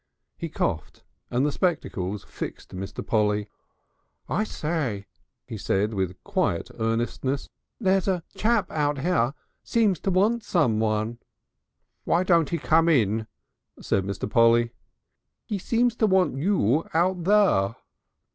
He coughed and the spectacles fixed Mr. Polly. "I say," he said with quiet earnestness. "There's a chap out here seems to want someone." "Why don't he come in?" said Mr. Polly. "He seems to want you out there."